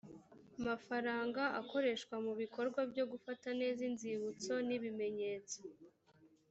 mafaranga akoreshwa mu bikorwa byo gufata neza inzibutso n ibimenyetso